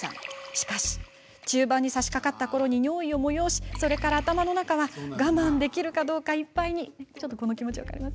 しかし中盤に差しかかったころに尿意をもよおしそれから頭の中は我慢できるかどうかいっぱいに。